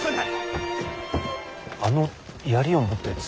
あの槍を持ったやつ。